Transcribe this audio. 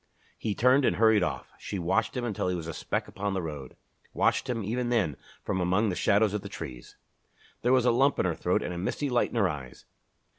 He turned and hurried off. She watched him until he was a speck upon the road; watched him, even then, from among the shadows of the trees. There was a lump in her throat and a misty light in her eyes.